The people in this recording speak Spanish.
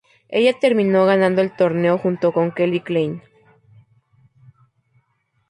Ella terminó ganando el torneo junto con Kelly Klein.